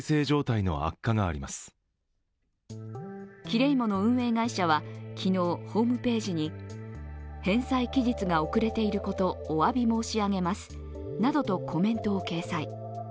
キレイモの運営会社は昨日ホームページに返済期日が遅れていること、おわび申し上げますなどとコメントを掲載。